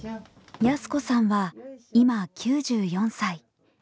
安子さんは今９４歳。